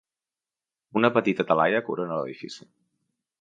Una petita talaia corona l'edifici.